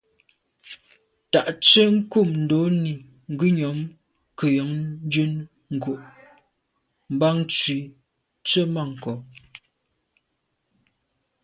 Tà nse’ nkum ndonni, ngùnyàm ke’ yon njen ngo’ bàn nzwi tswemanko’.